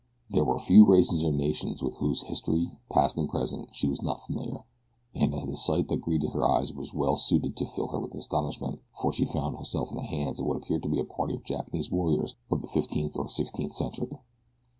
There were few races or nations with whose history, past and present, she was not fairly familiar, and so the sight that greeted her eyes was well suited to fill her with astonishment, for she found herself in the hands of what appeared to be a party of Japanese warriors of the fifteenth or sixteenth century.